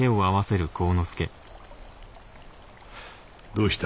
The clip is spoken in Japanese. どうした？